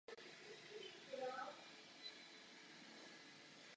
Zaměřoval se na podporu chudých.